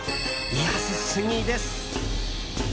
安すぎです。